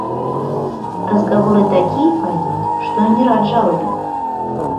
Разговоры такие пойдут, что и не рад жалобе!